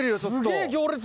すげえ行列